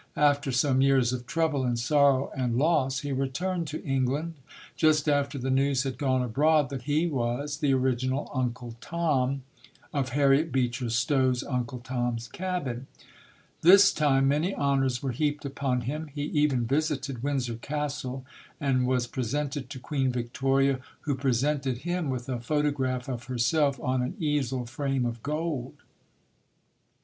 After some years of trouble and sorrow and loss, he returned to England, just after the news had gone abroad that he was the original "Uncle Tom" of Harriet Beecher Stowe's "Uncle Tom's Cabin". This time many honors were heaped upon him. He even visited Windsor Castle and was presented to Queen Vic toria, who presented him with a photograh of her self on an easel frame of gold.